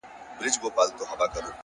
علم د انسان شعور بدلوي،